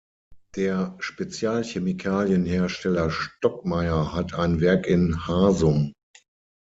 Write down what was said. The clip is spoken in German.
Der Spezialchemikalien-Hersteller Stockmeier hat ein Werk in Harsum.